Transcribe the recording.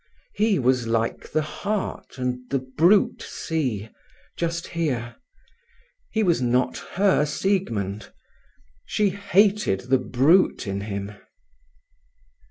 He was like the heart and the brute sea, just here; he was not her Siegmund. She hated the brute in him.